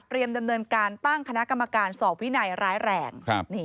ดำเนินการตั้งคณะกรรมการสอบวินัยร้ายแรง